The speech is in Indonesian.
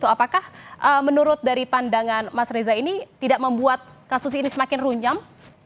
apakah menurut dari pandangan mas reza ini tidak membuat kasus ini semakin runyam